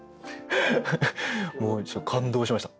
もうちょっと感動しました。